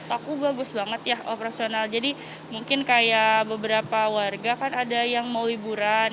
aku bagus banget ya operasional jadi mungkin kayak beberapa warga kan ada yang mau liburan